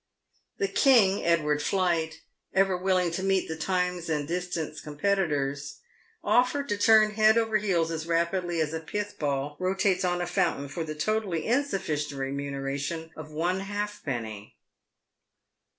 The King, Edward Plight, ever willing to meet the times and dis tance competitors, offered to turn head over heels as rapidly as a pith ball rotates on a fountain, for the totally insufficient remuneration of one halfpenny.